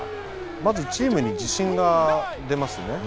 まずチームに自信が出ますね。